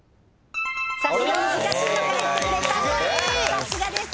さすがです。